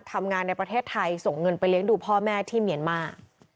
ในประเทศไทยส่งเงินไปเลี้ยงดูพ่อแม่ที่เมียนมา